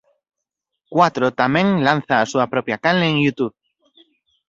Cuatro tamén lanza a súa propia canle en Youtube